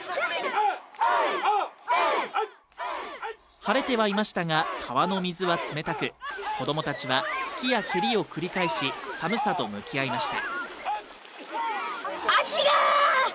晴れてはいましたが、川の水は冷たく、子供たちは突きや蹴りを繰り返し寒さと向き合いました。